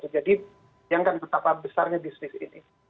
jadi yang kan betapa besarnya bisnis ini